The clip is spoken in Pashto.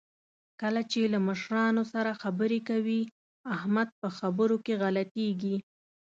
کله چې له مشرانو سره خبرې کوي، احمد په خبرو کې غلطېږي.